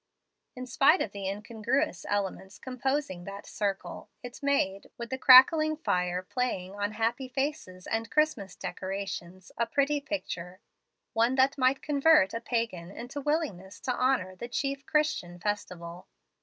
In spite of the incongruous elements composing that circle, it made, with the crackling fire playing on happy faces and Christmas decorations, a pretty picture, one that might convert a pagan into willingness to honor the chief Christian festival.